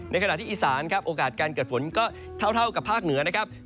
ขณะที่อีสานครับโอกาสการเกิดฝนก็เท่ากับภาคเหนือนะครับ